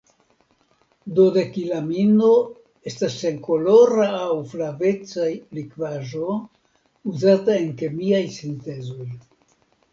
Dodekilamino estas senkolora aŭ flaveca likvaĵo uzata en kemiaj sintezoj.